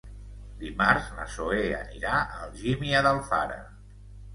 Dimarts na Zoè anirà a Algímia d'Alfara.